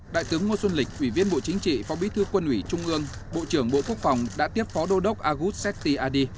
đại tướng ngô xuân lịch ủy viên bộ chính trị phó bí thư quân ủy trung ương bộ trưởng bộ quốc phòng đã tiếp phó đô đốc agus seti adi